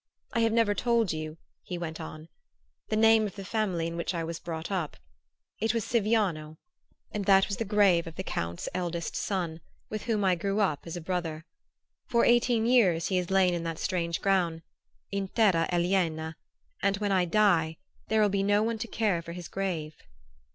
"I have never told you," he went on, "the name of the family in which I was brought up. It was Siviano, and that was the grave of the Count's eldest son, with whom I grew up as a brother. For eighteen years he has lain in that strange ground in terra aliena and when I die, there will be no one to care for his grave."